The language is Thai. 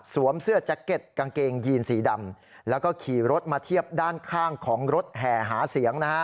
เสื้อแจ็คเก็ตกางเกงยีนสีดำแล้วก็ขี่รถมาเทียบด้านข้างของรถแห่หาเสียงนะฮะ